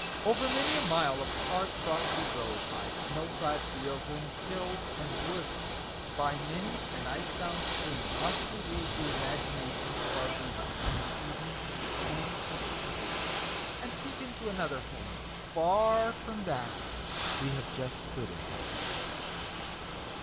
OVER many a mile of hard, frosty road, by snow clad fields and hills and woods, by many an ice bound stream, must we lead the imagi nation of our reader on the evening of the same Christmas Day, and peep into another home, far from that we have just quitted.